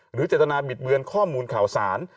เจตนาบิดเบือนข้อมูลข่าวสาร